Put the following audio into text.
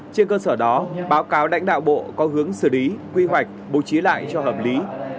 trên cơ sở đó báo cáo lãnh đạo bộ có hướng xử lý quy hoạch bố trí lại cho hợp lý